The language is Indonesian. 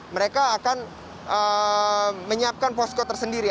mereka akan menyiapkan posko tersendiri